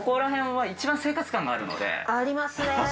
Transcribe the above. ありますねぇ。